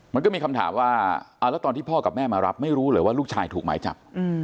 มันก็มีคำถามว่าแล้วตอนที่พ่อกับแม่มารับไม่รู้เลยว่าลูกชายถูกหมายจับ